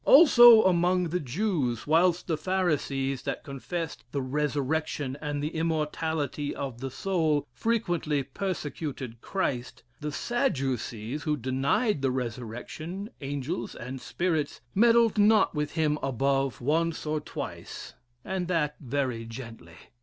Also among the Jews, whilst the Pharisees, that confessed the resurrection and the immortality of the soul, frequently persecuted Christ, the Sadducees, who denied the resurrection, angels, and spirits, meddled not with him above once or twice, and that very gently.